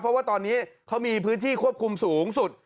เพราะว่าตอนนี้เขามีพื้นที่ควบคุมสูงสุด